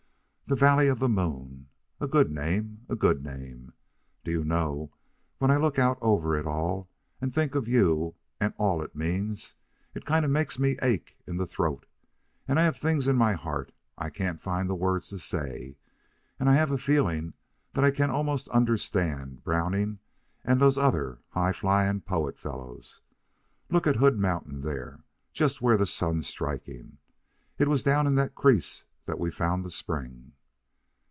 "The Valley of the Moon a good name, a good name. Do you know, when I look out over it all, and think of you and of all it means, it kind of makes me ache in the throat, and I have things in my heart I can't find the words to say, and I have a feeling that I can almost understand Browning and those other high flying poet fellows. Look at Hood Mountain there, just where the sun's striking. It was down in that crease that we found the spring."